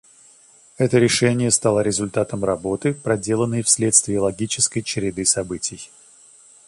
Это решение стало результатом работы, проделанной вследствие логической череды событий.